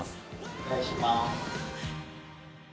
お願いします。